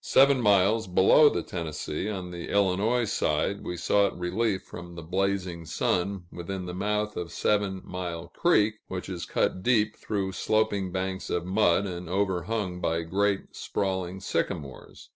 Seven miles below the Tennessee, on the Illinois side, we sought relief from the blazing sun within the mouth of Seven Mile Creek, which is cut deep through sloping banks of mud, and overhung by great sprawling sycamores.